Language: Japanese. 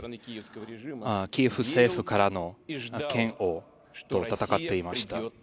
キーウ政府からの権利と戦っていました。